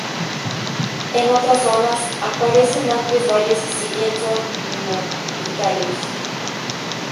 En otras zonas aparecen amplios valles, si bien son minoritarios.